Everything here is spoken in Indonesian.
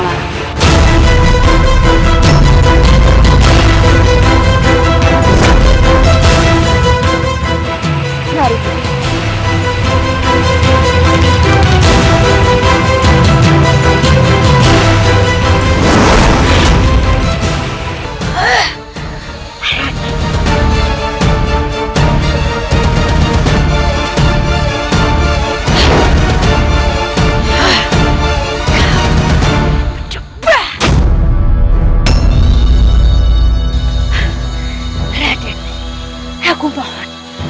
raden aku mohon